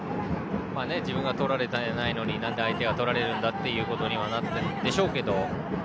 自分はとられてないのになんで相手がとられるんだということになってるんでしょうけど。